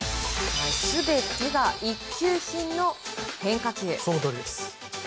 全てが一級品の変化球。